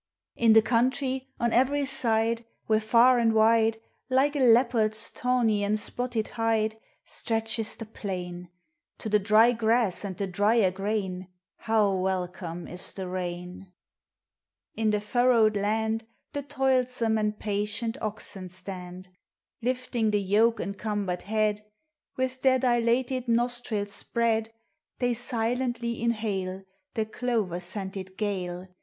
In the country, on every side, Where far and wide, Like a leopard's tawny and spotted hide, Stretches Hie plain, To the dry grass and the drier grain How welcome is the rain ! In Hie furrowed land The toilsome and patienl oxen stand ; Lifting the yoke encumbered head, Willi their dilated nostrils spread, They silently inhale The clover s> ented gale, Am!